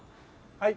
はい。